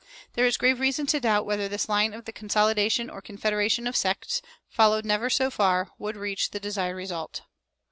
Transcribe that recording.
There is grave reason to doubt whether this line of the consolidation or confederation of sects, followed never so far, would reach the desired result.